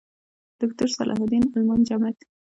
دوکتور صلاح الدین المنجد